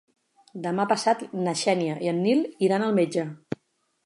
Demà passat na Xènia i en Nil iran al metge.